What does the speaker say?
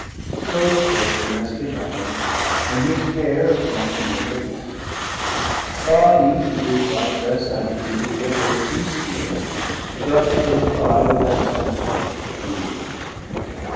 So spake domestick Adam in his care And Matrimonial Love, but Eve, who thought Less attributed to her Faith sincere, 320 Thus her reply with accent sweet renewd.